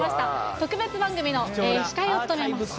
特別番組の司会を務めます有吉さん。